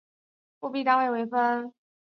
辅币单位为分。